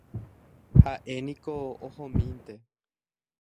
Ha'éniko ohomínte.